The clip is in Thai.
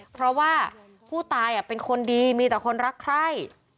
เพราะผู้ตายเป็นคนดีแต่มีคนรักใคร